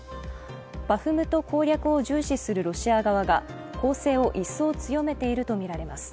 バフムト攻略を重視するロシア側が攻勢を一層強めているとみられます。